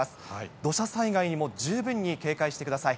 土砂災害にも十分に警戒してください。